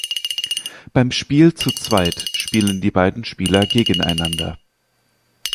Beim Spiel zu zweit spielen die beiden Spieler gegeneinander.